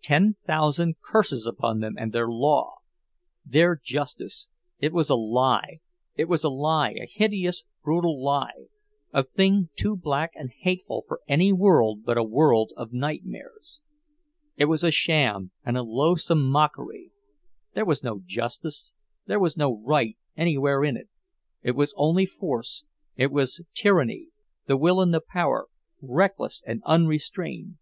Ten thousand curses upon them and their law! Their justice—it was a lie, it was a lie, a hideous, brutal lie, a thing too black and hateful for any world but a world of nightmares. It was a sham and a loathsome mockery. There was no justice, there was no right, anywhere in it—it was only force, it was tyranny, the will and the power, reckless and unrestrained!